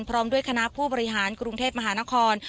พร้อมด้วยคณะผู้บริหารกรุงเทพมหานคร